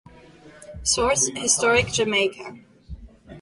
Source: "Historic Jamaica".